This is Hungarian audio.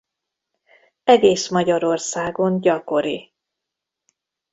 Egész Magyarországon gyakori.